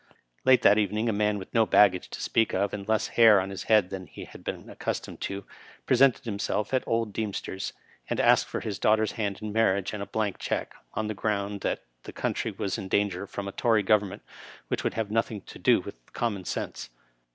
Late that evening, a man with no baggage to speak of, and less hair on his head than he had been accus tomed to, presented himself at old Mr. Deemster's, and asked for his daughter's hand in marriage and a blank check, on the ground that the country was in danger from a Tory Government which would have nothing to Digitized by VjOOQIC EILETy M.P. 183 do with common sense.